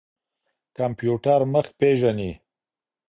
کمپيوټر مخ پېژني.